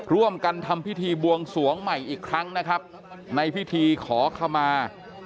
ร่วมกันทำพิธีบวงสวงใหม่อีกครั้งนะครับในพิธีขอขมา